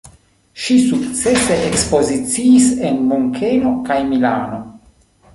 Ŝi sukcese ekspoziciis en Munkeno kaj Milano.